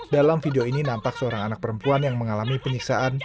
dalam video ini nampak seorang anak perempuan yang mengalami penyiksaan